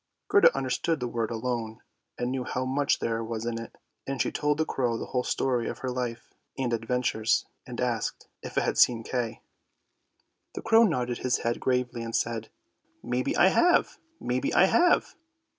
Gerda understood the word " alone " and knew how much there was in it, and she told the crow the whole story of her life and adventures, and asked if it had seen Kay. The crow nodded his head gravely and said, " May be I have, may be I have."